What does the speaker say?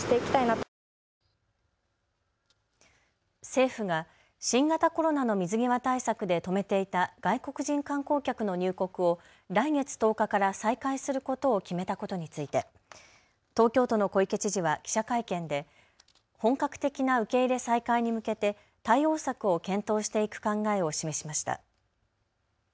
政府が新型コロナの水際対策で止めていた外国人観光客の入国を来月１０日から再開することを決めたことについて東京都の小池知事は記者会見で本格的な受け入れ再開に向けて対応策を検討していく考えを示しました。